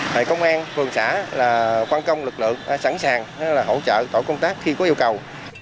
thầy công an phường xã là quan công lực lượng sẵn sàng hỗ trợ tổ công tác khi có yêu cầu